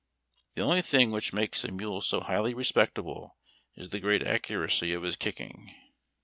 " The only thing which makes a mule so highly respectable is the great accuracy of his kicking."